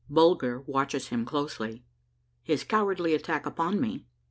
— BULGER WATCHES HIM CLOSELY. — HIS COWARDLY ATTACK UPON ME.